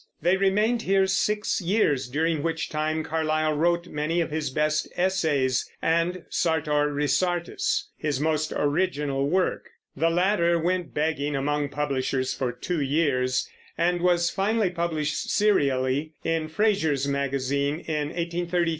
They remained here six years, during which time Carlyle wrote many of his best essays, and Sartor Resartus, his most original work. The latter went begging among publishers for two years, and was finally published serially in Fraser's Magazine, in 1833 1834.